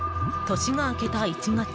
年が明けた１月。